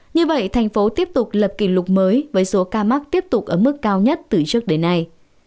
như vậy thành phố tiếp tục lập kỷ lục mới với số ca mắc tiếp tục ở mức cao nhất từ trước đến nay